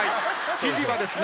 知事はですね。